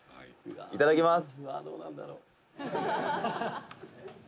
いただきます」